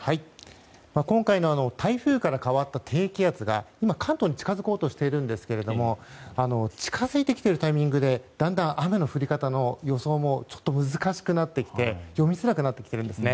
今回の台風から変わった低気圧が今、関東に近づこうとしているんですけど近づいてきているタイミングでだんだん雨の降り方の予想もちょっと難しくなってきて読みづらくなってきています。